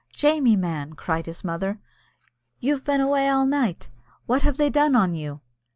"Jamie, man!" cried his mother, "you've been awa' all night; what have they done on you?"